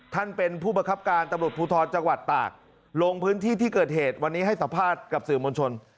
ท่านเป็นผู้บังคับการตำรวจภูทรจังหวัดตากลงพื้นที่ที่เกิดเหตุวันนี้ให้สัมภาษณ์กับสื่อมวลชน